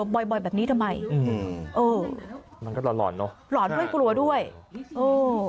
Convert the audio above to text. บ่อยบ่อยแบบนี้ทำไมอืมเออมันก็หล่อหลอนเนอะหลอนด้วยกลัวด้วยเออ